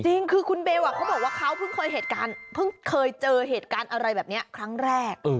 จริงคือคุณเบลเขาบอกว่าเค้าเพิ่งเคยเจอเหตุการณ์อะไรแบบนี้ครั้งแรก